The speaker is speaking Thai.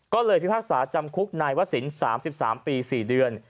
ก็เลยพิพากษาจำคุกนายวศิลป์๓๓ปี๔เดือน